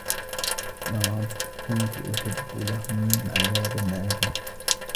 يَا رَبِّ كُنْتُ أُحِبُّ لَهُمْ عَذَابًا عَاجِلًا